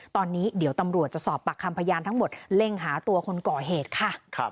ตอนนี้เดี๋ยวตำรวจจะสอบปากคำพยานทั้งหมดเร่งหาตัวคนก่อเหตุค่ะ